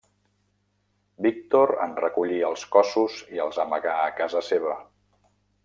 Víctor en recollí els cossos i els amagà a casa seva.